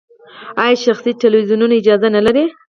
آیا شخصي تلویزیونونه اجازه نلري؟